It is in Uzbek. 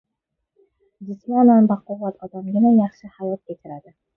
Jismonan baquvvat odamgina yaxshi hayot kechiradi.